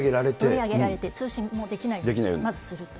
取り上げられて、通信がもうできないように、まずすると。